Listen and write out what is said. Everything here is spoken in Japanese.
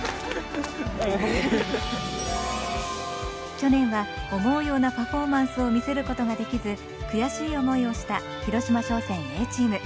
去年は思うようなパフォーマンスを見せることができず悔しい思いをした広島商船Ａチーム。